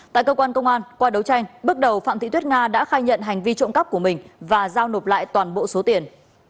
tại cơ quan công an qua đấu tranh bước đầu phạm thị tuyết nga đã khai nhận hành vi trộm cắp của mình và giao nộp lại toàn bộ số tiền